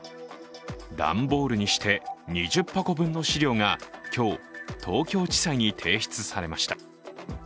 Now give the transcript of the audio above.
段ボールにして２０箱分の資料が今日、東京地裁に提出されました。